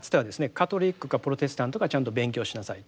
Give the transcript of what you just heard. カトリックかプロテスタントかちゃんと勉強しなさいと。